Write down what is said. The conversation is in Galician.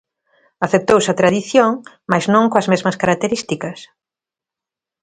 Aceptouse a tradición mais non coas mesmas características.